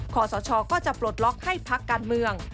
ขอสชก็จะปลดล็อกให้พักการเมือง